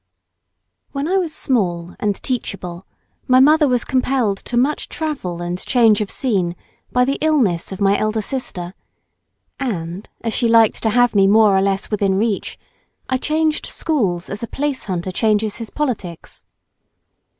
When I was small and teachable my mother was compelled to much travel and change of scene by the illness of my elder sister; and as she liked to have me more or less within reach, I changed schools as a place hunter changes his politics.